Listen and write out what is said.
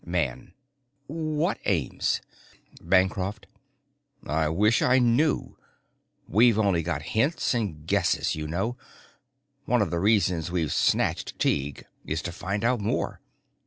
Man: "What aims?" Bancroft: "I wish I knew. We've only got hints and guesses, you know. One of the reasons we've snatched Tighe is to find out more.